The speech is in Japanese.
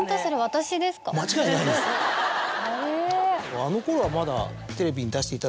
あのころはまだ。